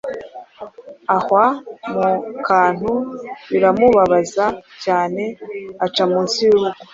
ahwa mu kantu biramubabaza cyane aca munsi y’urugo,